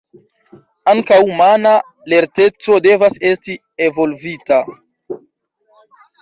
Ankaŭ mana lerteco devas esti evolvita.